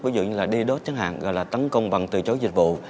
ví dụ như là ddos chẳng hạn gọi là tấn công bằng từ chối dịch vụ